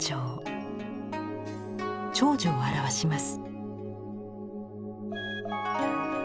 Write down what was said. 長寿を表します。